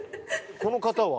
この方は？